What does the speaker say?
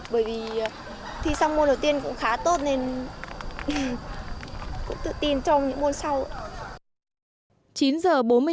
bởi vì thi xong môn đầu tiên cũng khá tốt nên cũng tự tin trong những môn sau